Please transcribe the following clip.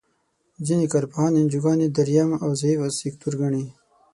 ځینې کار پوهان انجوګانې دریم او ضعیفه سکتور ګڼي.